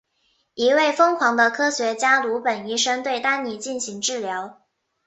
一位疯狂的科学家鲁本医生对丹尼进行治疗。